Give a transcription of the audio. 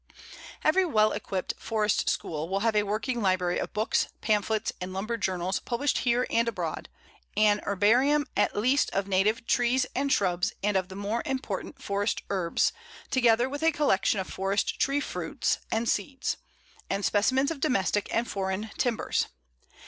Every well equipped forest school will have a working library of books, pamphlets, and lumber journals published here and abroad, an herbarium at least of native trees and shrubs and of the more important forest herbs, together with a collection of forest tree fruits and seeds, and specimens of domestic and foreign timbers.